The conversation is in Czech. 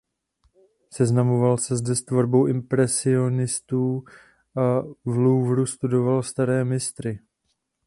Seznamoval se zde s tvorbou impresionistů a v Louvru studoval staré mistry.